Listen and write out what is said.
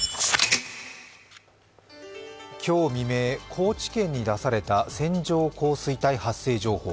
今日未明、高知県に出された線状降水帯発生情報。